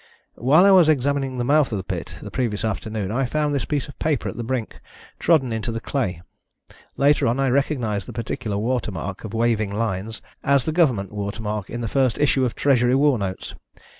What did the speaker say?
"While I was examining the mouth of the pit the previous afternoon I found this piece of paper at the brink, trodden into the clay. Later on I recognised the peculiar watermark of waving lines as the Government watermark in the first issue of Treasury war notes.